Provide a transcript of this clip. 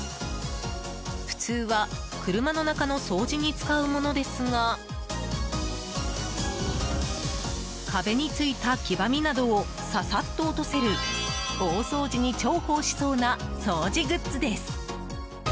普通は車の中の掃除に使うものですが壁についた黄ばみなどをささっと落とせる大掃除に重宝しそうな掃除グッズです。